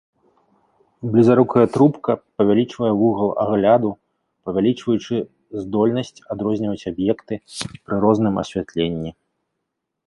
Блізарукая трубка павялічвае вугал агляду, павялічваючы здольнасць адрозніваць аб'екты пры розным асвятленні.